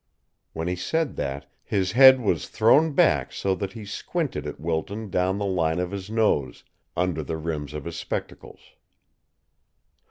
When he said that, his head was thrown back so that he squinted at Wilton down the line of his nose, under the rims of his spectacles.